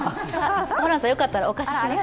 ホランさん、よかったらお貸します。